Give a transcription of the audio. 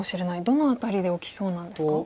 どの辺りで起きそうなんですか？